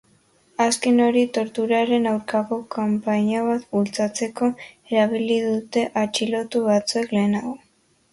Azken hori torturaren aurkako kanpaina bat bultzatzeko erabili dute atxilotu batzuek lehenago.